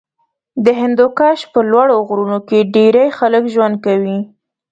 د هندوکش په لوړو غرونو کې ډېری خلک ژوند کوي.